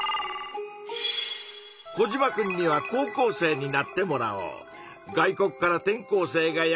コジマくんには高校生になってもらおう。